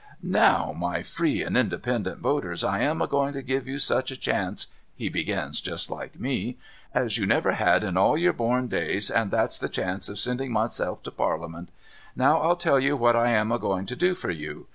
' Now my free and independent woters, I am a going to give you such a chance ' (he begins just like me) ' as you never had in all your born days, and that's the chance of sending Myself to Padiament. Now I'll tell you what I am a going to do for you.